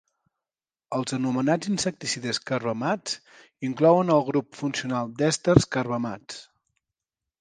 Els anomenats insecticides carbamats inclouen el grup funcional d'èsters carbamats.